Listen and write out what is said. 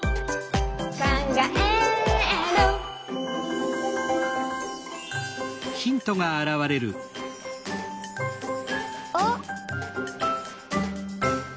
「かんがえる」あっ！